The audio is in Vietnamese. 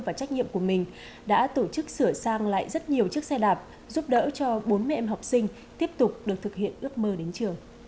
và trách nhiệm của mình đã tổ chức sửa sang lại rất nhiều chiếc xe đạp giúp đỡ cho bốn mươi em học sinh